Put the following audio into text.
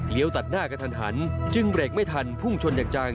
เลี้ยวตัดหน้ากันทันจึงเบรกไม่ทันพุ่งชนอยากจัง